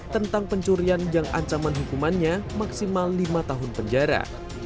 tentang pencurian yang ancaman hukumannya maksimal lima tahun penjara